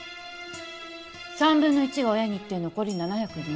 ３分の１が親にいって残り７２０。